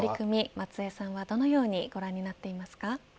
松江さんはどのようにご覧になっていますか。